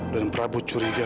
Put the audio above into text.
dan prabu curiga